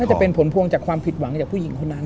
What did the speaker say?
จะเป็นผลพวงจากความผิดหวังจากผู้หญิงคนนั้น